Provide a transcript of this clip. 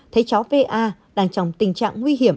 thấy cháu v a đang trong tình trạng nguy hiểm